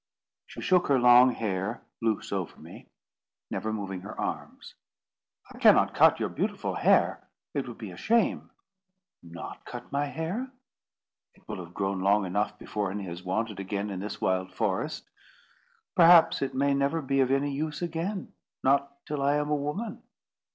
She shook her long hair loose over me, never moving her arms. "I cannot cut your beautiful hair. It would be a shame." "Not cut my hair! It will have grown long enough before any is wanted again in this wild forest. Perhaps it may never be of any use again—not till I am a woman."